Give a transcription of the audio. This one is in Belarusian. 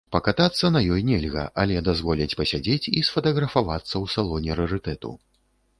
Пакатацца на ёй нельга, але дазволяць пасядзець і сфатаграфавацца ў салоне рарытэту.